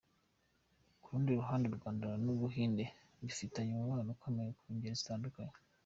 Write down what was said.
Ku rundi ruhande, u Rwanda n’u Buhinde bifitanye umubano ukomeye mu ngeri zitandukanye.